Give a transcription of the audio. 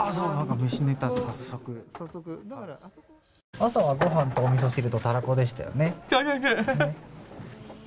朝はごはんとおみそ汁とたらこでしたよね。